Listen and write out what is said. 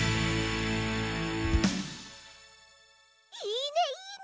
いいねいいね！